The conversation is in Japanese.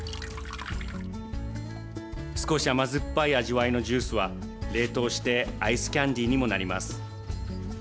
少し甘酸っぱい味わいのジュースは、冷凍してアイスキャンディーにもなります。